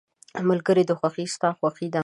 • د ملګري خوښي ستا خوښي ده.